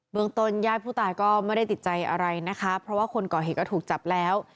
เมืองต้นญาติผู้ตายก็ไม่ได้ติดใจอะไรนะคะเพราะว่าคนก่อเหตุก็ถูกจับแล้ว